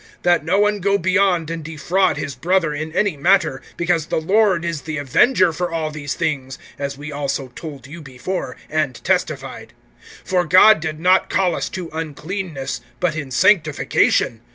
(6)That no one go beyond and defraud his brother in any matter[4:6]; because the Lord is the avenger for all these things, as we also told you before, and testified. (7)For God did not call us to uncleanness, but in sanctification.